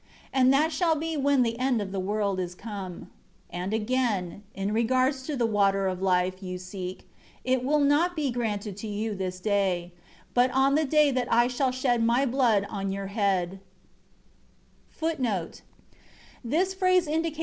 And that shall be when the end of the world is come. 7 And, again, in regards to the Water of Life you seek, it will not be granted you this day; but on the day that I shall shed My blood on your head* in the land of Golgotha.